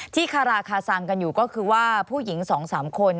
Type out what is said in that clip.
คาราคาซังกันอยู่ก็คือว่าผู้หญิง๒๓คน